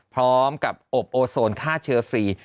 พร้อมกับอบโอโซนฆ่าเชื้อฟรี